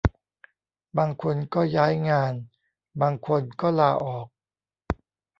บางคนก็ย้ายงาน บางคนก็ลาออก